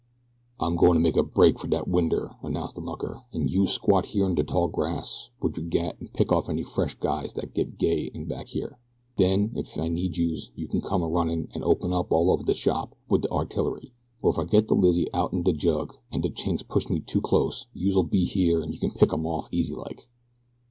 "I'm goin' to make a break fer dat winder," announced the mucker, "and youse squat here in de tall grass wid yer gat an' pick off any fresh guys dat get gay in back here. Den, if I need youse you can come a runnin' an' open up all over de shop wid de artillery, or if I gets de lizzie outen de jug an' de Chinks push me too clost youse'll be here where yeh can pick 'em off easy like."